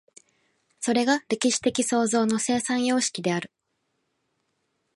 それが歴史的創造の生産様式である。